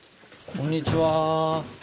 こんにちは。